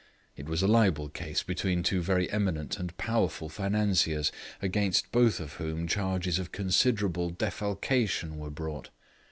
It was a libel case between two very eminent and powerful financiers, against both of whom charges of considerable defalcation were brought.